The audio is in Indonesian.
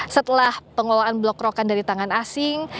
setelah pengelolaan blok rokan dari tangan asing